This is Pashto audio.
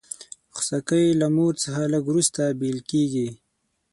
خوسکی له مور څخه لږ وروسته بېل کېږي.